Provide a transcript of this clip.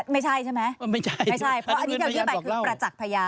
ไม่ใช่ใช่ไหมไม่ใช่เพราะอันนี้ที่เรายื่นไปคือประจักษ์พยาน